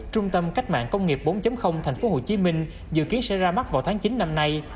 trung tâm cách mạng công nghiệp bốn tp hcm dự kiến sẽ ra mắt vào tháng chín năm nay